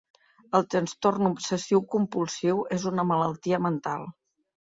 El trastorn obsessiu-compulsiu és una malaltia mental.